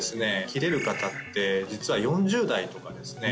切れる方って実は４０代とかですね